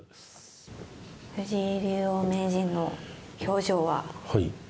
藤井竜王名人の表情は？